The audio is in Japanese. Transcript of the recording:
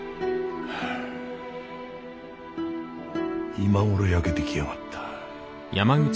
今ごろ妬けてきやがった。